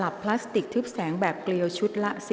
กรรมการท่านที่ห้าได้แก่กรรมการใหม่เลขเก้า